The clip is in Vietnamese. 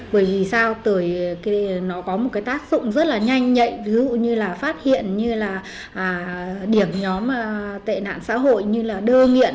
bởi vì sao từ khi nó có một cái tác dụng rất là nhanh nhạy ví dụ như là phát hiện như là điểm nhóm tệ nạn xã hội như là đơ nghiện